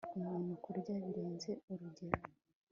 umuntu kurya birenze urugero